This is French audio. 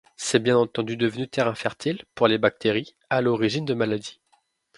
C'est bien entendu devenu terrain fertile pour les bactéries, à l'origine de maladies.